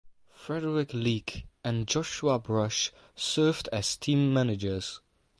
Frederic Leake and Joshua Brush served as team managers.